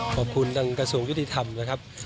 ขอบคุณทางกระทรวงยุติธรรมนะครับ